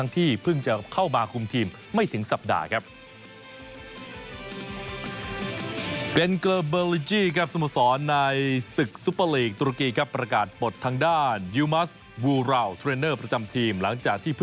ที่พึ่งจะเข้าในจะไม่